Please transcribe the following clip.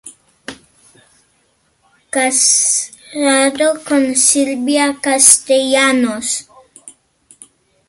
Casado con Silvia Castellanos.